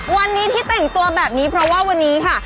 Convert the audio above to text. วันนี้ที่แต่งตัวแบบนี้เพราะว่าวันนี้ค่ะ